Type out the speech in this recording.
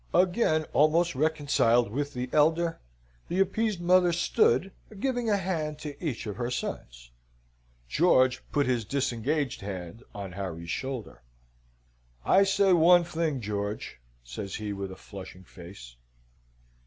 Again almost reconciled with the elder, the appeased mother stood giving a hand to each of her sons. George put his disengaged hand on Harry's shoulder. "I say one thing, George," says he with a flushing face.